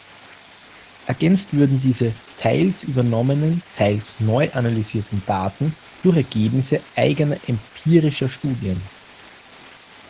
Ergänzt würden diese „teils übernommenen, teils neu analysierten Daten“ durch „Ergebnisse eigener empirischer Studien“.